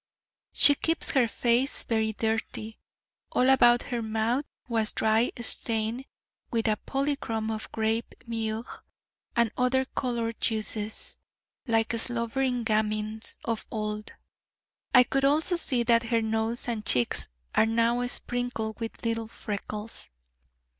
She keeps her face very dirty: all about her mouth was dry stained with a polychrome of grape, mûrs, and other coloured juices, like slobbering gamins of old. I could also see that her nose and cheeks are now sprinkled with little freckles.